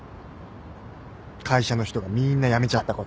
会社の人がみーんな辞めちゃったこと。